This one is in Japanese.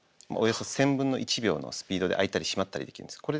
およそ１，０００分の１秒のスピードで開いたり閉まったりできるんです。